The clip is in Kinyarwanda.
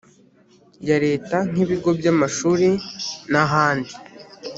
ya Leta nk ibigo by amashuri n ahandi